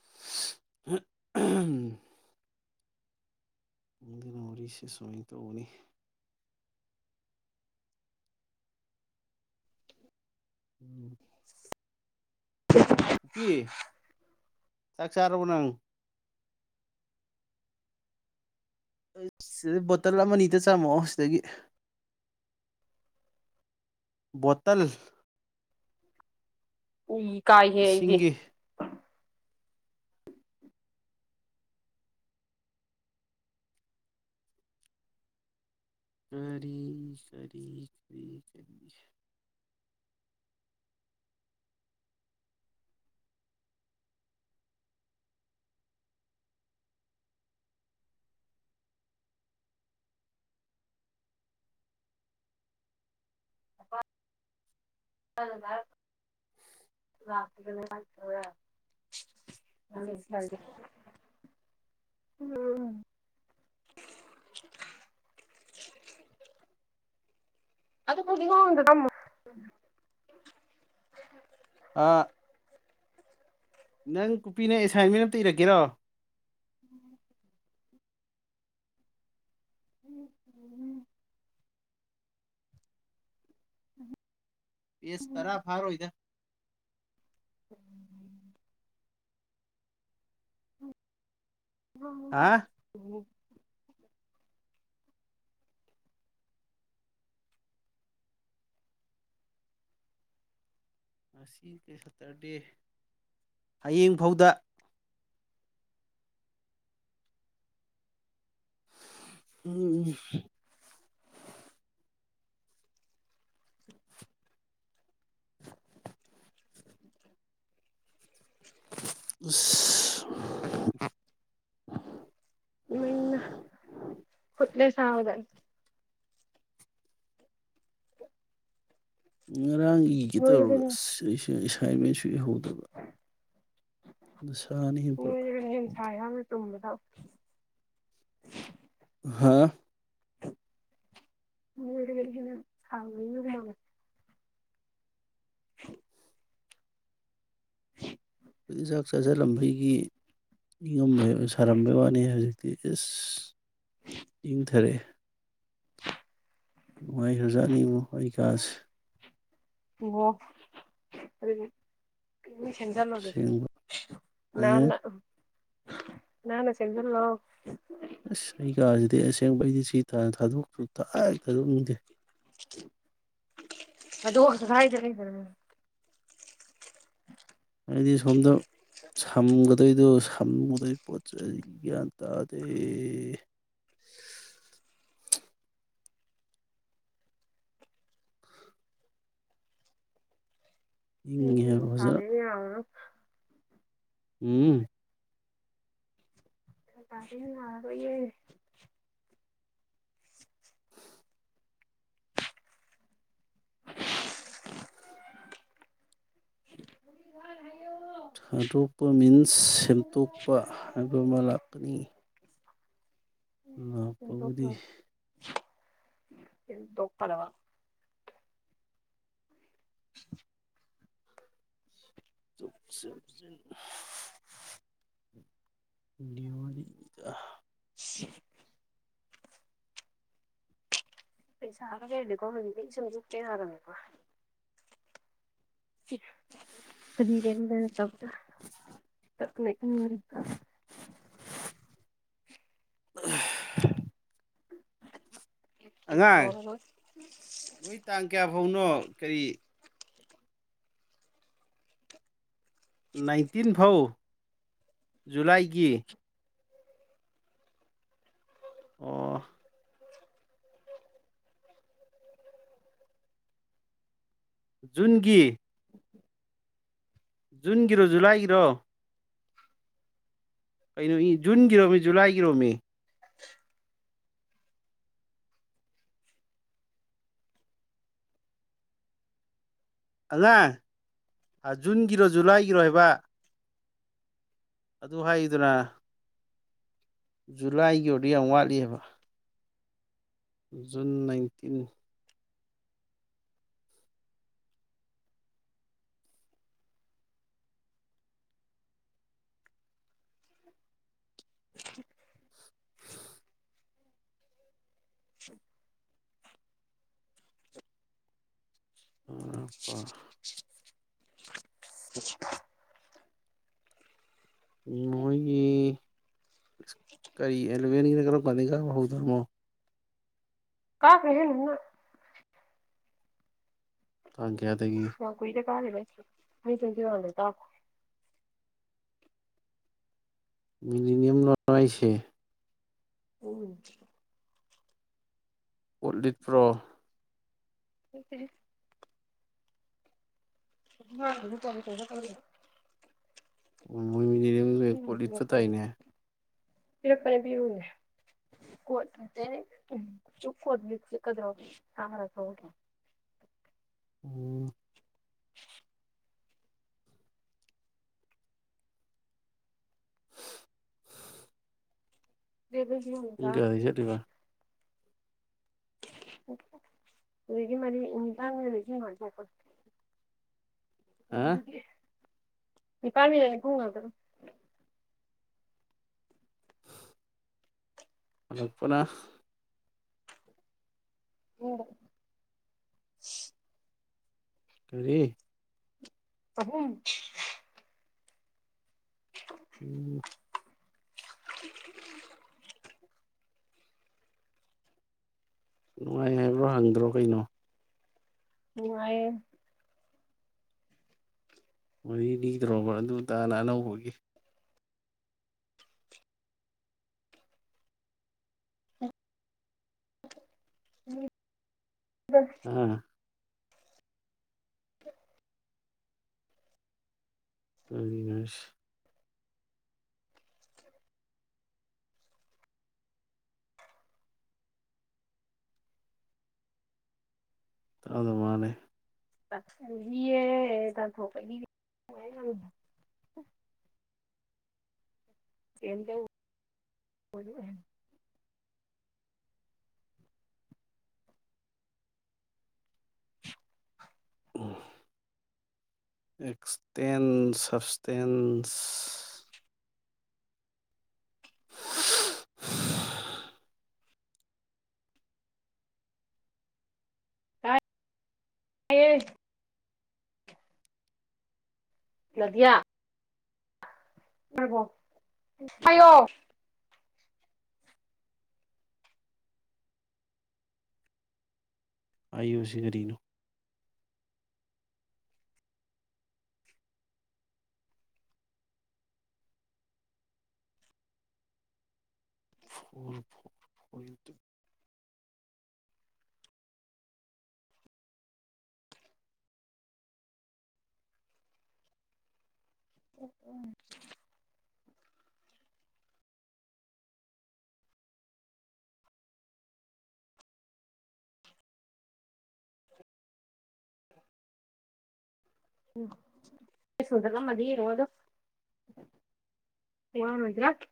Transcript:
[inaudible] [unintelligible] ꯅꯪꯒꯤꯅ ꯗꯨꯅ ꯋꯥꯔꯤꯁꯦ ꯁꯨꯃꯥꯏꯅ ꯇꯧꯧꯕꯅꯤ ꯎꯝ [unintelligible] ꯆꯥꯛꯁ ꯎ ꯅꯪ ꯁꯤꯗ ꯕꯣꯇꯜ ꯑꯃ ꯑꯅꯤꯇ ꯆꯥꯃꯛꯑꯣ ꯁꯤꯗꯒꯤ ꯣꯇꯜ ꯎꯏ ꯀꯥꯏꯍꯦ ꯑꯩꯗꯤ ꯏꯁꯤꯡꯒꯤ ꯈꯔꯤ ꯁꯔꯤꯔꯤ ꯁꯔꯤ ꯃꯥꯗ [unintelligible] [unintelligible] ꯎꯝ [unintelligible] [unintelligible] ꯑꯗ ꯄꯨꯗꯤꯒ ꯇꯝ ꯎꯝ ꯑꯥ ꯅꯪ ꯀꯨꯄꯤꯅ ꯑꯦꯁꯥꯏꯟꯃꯦꯟ ꯑꯃꯝꯇ ꯏꯔꯒꯀꯦꯔꯣ ꯎꯝ ꯎꯝ ꯎꯝ ꯎꯝ ꯄꯦꯁ ꯇꯔꯥ ꯐꯥꯔꯣꯏꯗ ꯎꯝ ꯎꯝ ꯍꯥ ꯎꯝ ꯉꯁꯤ ꯀꯩ ꯁꯇꯔꯗꯦ ꯍꯌꯦꯡꯐꯥꯎꯗ ꯎꯝ ꯎꯝ [unintelligible] ꯑ [unintelligible] ꯏ ꯀꯠꯂꯦꯁꯥꯎꯗ ꯉꯔꯥꯡ ꯏꯒꯦ ꯇꯧꯔꯒ ꯅꯣꯏꯔꯒꯅ ꯑꯦꯁꯥꯏꯟꯃꯦꯟꯁꯨ ꯏꯍꯧꯗꯕ ꯗꯁꯥꯅꯤꯍꯦ ꯃ ꯄꯨꯔꯥ ꯅꯁ ꯃ ꯇꯨꯝꯗ ꯍꯥꯦ ꯃꯔꯅꯥꯎ ꯏ [inaudible] ꯑꯩꯈꯣꯏꯤꯟ ꯆꯥꯛ ꯆꯥꯁꯤꯜꯂꯝꯕꯒꯤ ꯅꯤꯡꯉꯝꯕ ꯁꯥꯔꯝꯕꯩ ꯋꯥꯅꯤ ꯍꯧꯖꯤꯛ ꯇ ꯑꯦꯁ ꯏꯪꯊꯔꯛꯑꯦ ꯅꯨꯡꯉꯥꯏꯈ꯭ꯔꯖꯥꯠꯅꯤꯡꯉꯣ ꯑꯩ ꯀꯥꯁꯦ ꯑꯣ ꯏ ꯆꯟꯖꯒꯦ ꯑꯁꯦꯡꯕ ꯅꯥꯟ ꯑꯦ ꯅꯅꯦ ꯆꯗꯔꯅꯣ ꯑꯁ ꯑꯩ ꯀꯥꯁꯤꯗꯤ ꯑꯁꯦꯡꯕ ꯑꯩꯗꯤ ꯁꯤ ꯊꯥꯗꯣꯛꯇ꯭ꯔꯁꯨ ꯊꯥꯏ ꯊꯥꯗꯣꯛꯅꯤꯡꯗꯦ ꯑꯗ ꯁꯈꯥꯏ ꯆ ꯀ ꯐꯔ ꯍꯥꯏꯗꯤ ꯁꯣꯝꯗ ꯁꯝꯒ ꯑꯗꯨꯗꯏꯗꯣ ꯁꯝꯨꯗꯩ ꯄꯣꯠꯆ ꯒ꯭ꯌꯥꯟ ꯇꯥꯗꯦ ꯏꯪꯉꯦ ꯍꯥꯏꯕ ꯍꯝꯝ ꯐꯖꯅ ꯇꯥꯃꯦ ꯌꯥ ꯎꯝ ꯇꯗꯅꯕꯏ ꯍꯥꯏ ꯊꯥꯗꯣꯛꯄ ꯃꯤꯟꯁ ꯁꯦꯝꯗꯣꯛꯄ ꯍꯥꯏꯕ ꯑꯃ ꯂꯥꯛꯀꯅꯤ ꯇꯣ ꯂꯥꯛꯄꯕꯨꯗꯤ ꯇꯣꯛꯄꯔ [inaudible] ꯁ ꯆꯖꯅ ꯅ꯭ꯌꯎꯔꯤꯗ ꯁꯤ ꯄꯩꯁꯥꯔꯒꯦꯀꯣꯁꯛꯇꯦ ꯍꯥꯏꯔꯃꯦꯀꯣ ꯐꯗꯤ ꯀꯗꯅ ꯇꯗ ꯂꯩ ꯃ ꯑ ꯑꯉꯥꯡ [inaudible] [inaudible] ꯅꯣꯏ ꯇꯥꯡ ꯀꯌꯥ ꯐꯥꯎꯅꯣ ꯀꯔꯤ ꯅꯥꯏꯟꯇꯤꯟ ꯐꯥꯎ ꯖꯨꯂꯥꯏꯒꯤ ꯑꯣ [inaudible] [inaudible] ꯖꯨꯟꯒꯤ ꯖꯨꯟꯒꯤꯔꯣ ꯖꯨꯂꯥꯏꯒꯤꯔꯣ ꯀꯩꯅꯣ ꯏ ꯖꯨꯟꯒꯤꯔꯣꯝꯃꯤ ꯖꯨꯂꯥꯏꯒꯤꯔꯣꯝꯃꯤ ꯑꯉꯥꯡ ꯖꯨꯟꯒꯤꯔꯣ ꯖꯨꯂꯥꯏꯒꯤꯔꯣ ꯍꯥꯏꯕ ꯑꯗꯨ ꯍꯥꯏꯗꯨꯅ ꯖꯨꯂꯥꯏꯒꯤ ꯑꯣꯏꯔꯗꯤ ꯌꯥꯝ ꯋꯥꯠꯂꯤꯑꯕ ꯖꯨꯟ ꯅꯥꯏꯟꯇꯤꯟ [inaudible] [inaudible] [unintelligible] [inaudible] [inaudible] ꯎ ꯑꯄ [unintelligible] [unintelligible] ꯃꯣꯏꯒꯤ ꯀꯔꯤ ꯑꯦꯂꯚꯦꯟꯒꯤꯅ ꯀꯔ ꯀꯥꯟꯗ ꯀ ꯍꯧꯗꯝꯃꯣ ꯀꯥ ꯀꯦꯟ ꯇꯥꯡ ꯀꯌꯥꯗꯒꯤ ꯕꯨꯏꯗ ꯀꯔꯦꯁ ꯃꯤ ꯆ ꯋꯥꯗ ꯇ ꯃꯤꯅꯤꯅꯤꯌꯝ ꯂꯔꯥꯏꯁꯦ ꯎ ꯎꯠꯂꯤꯄ꯭ꯔꯣ ꯅꯠꯇꯦꯍꯦ [unintelligible] ꯑꯣ ꯃꯣꯏꯃꯤꯅꯤ ꯄꯔꯄ ꯄꯤꯔꯄꯅꯦ ꯄꯤꯔꯅꯦ ꯀꯦ ꯎ ꯆꯨꯞꯨꯞ ꯍꯗꯗ꯭ꯔ ꯁꯔꯒ ꯍ ꯎꯝ ꯎ ꯀ [inaudible] ꯌꯦꯍꯠꯕ ꯑꯗꯨꯗꯤ ꯃꯥꯔꯤ ꯏꯗꯥꯦ ꯑ ꯄꯥꯥꯃꯤ ꯄꯉ ꯑꯗꯨ ꯑꯣ ꯄꯨꯔꯥ ꯎ ꯀꯔꯤ ꯑ ꯍꯨꯝ ꯎꯝ [unintelligible] ꯅꯨꯡꯉꯥꯏ ꯍꯥꯏꯕ꯭ꯔꯣ ꯍꯪꯗ꯭ꯔꯣ ꯀꯩꯅꯣ ꯅꯨꯡꯉꯥꯏꯌꯦ ꯃꯗꯤ ꯅꯤꯗ꯭ꯔꯣꯕ ꯑꯗꯨꯇꯥꯅ ꯑꯅꯧꯕꯒꯤ [unintelligible] ꯎꯝ ꯎ ꯑꯕꯤꯅꯥꯁ ꯑꯗꯨ ꯑꯗꯨ ꯃꯥꯅꯦ [inaudible] [unintelligible] ꯑꯦꯛꯁꯇꯦꯟ ꯁꯞꯁꯇꯦꯟꯁ ꯑꯦꯠ ꯅꯗꯤꯌꯥ ꯑꯣꯏꯔꯕꯣ ꯍꯥꯏꯌꯣ ꯑꯥꯏ ꯌꯨ ꯁꯤ ꯀꯔꯤꯅꯣ [unintelligible] [unintelligible] [unintelligible] [unintelligible]